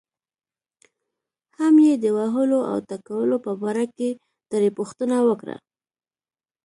هم یې د وهلو او ټکولو په باره کې ترې پوښتنه وکړه.